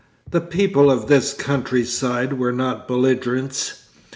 The people of this country side were not belligerents.